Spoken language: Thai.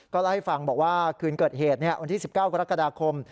เล่าให้ฟังบอกว่าคืนเกิดเหตุวันที่๑๙กรกฎาคม